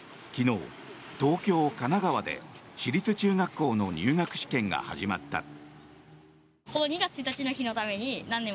昨日、東京、神奈川で私立中学校の入学試験が始まった。